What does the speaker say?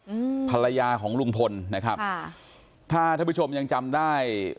อืมภรรยาของลุงพลนะครับค่ะถ้าท่านผู้ชมยังจำได้